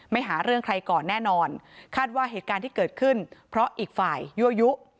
หาเรื่องใครก่อนแน่นอนคาดว่าเหตุการณ์ที่เกิดขึ้นเพราะอีกฝ่ายยั่วยุ